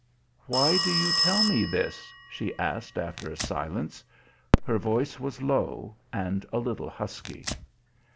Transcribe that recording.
"Why do you tell me this?" she asked after a silence; her voice was low and a little husky.